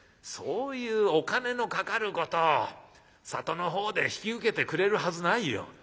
そういうお金のかかることを里の方で引き受けてくれるはずないよ」。